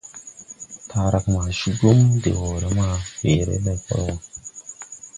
Taarag ma cugum de wɔɔre ma weere lɛkɔl wɔ.